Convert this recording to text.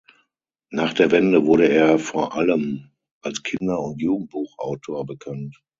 Nach der Wende wurde er vor allem als Kinder- und Jugendbuchautor bekannt.